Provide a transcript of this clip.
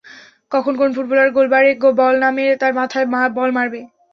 কখন কোন ফুটবলার গোলবারে বল না মেরে তার মাথায় বল মারবে?